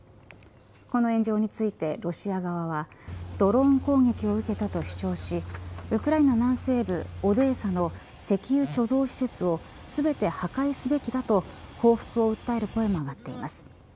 この炎上についてロシア側はドローン攻撃を受けたと主張しウクライナ南西部オデーサの石油貯蔵施設を全て破壊すべきだと報復を訴える声も上がっています。